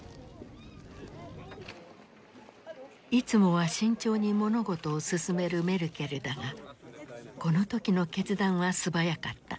いつもは慎重に物事を進めるメルケルだがこの時の決断は素早かった。